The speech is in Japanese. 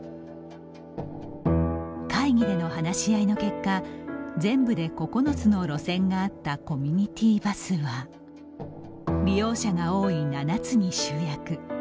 会議での話し合いの結果全部で９つの路線があったコミュニティバスは利用者が多い７つに集約。